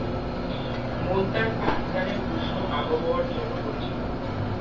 মুলতান পাকিস্তানের উষ্ণ আবহাওয়ার জন্য পরিচিত।